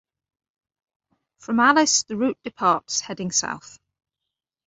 From Alice, the route departs heading south.